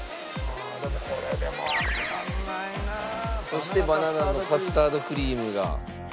そしてバナナのカスタードクリームが。